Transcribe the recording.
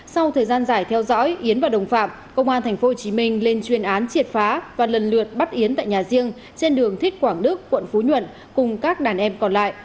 sau thời gian dài theo dõi yến và đồng phạm công an tp hcm lên chuyên án triệt phá và lần lượt bắt yến tại nhà riêng trên đường thích quảng đức quận phú nhuận cùng các đàn em còn lại